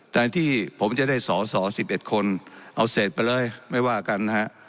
แต่ที่ผมจะได้สอสอ๑๑คนเอาเศษไปเลยไม่ว่ากันนะฮะ